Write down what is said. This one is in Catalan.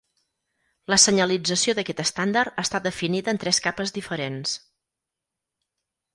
La senyalització d'aquest estàndard està definida en tres capes diferents.